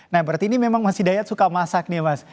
nah berarti ini memang mas hidayat suka masak nih mas